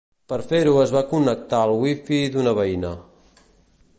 Per fer-ho es va connectar al wifi d’una veïna.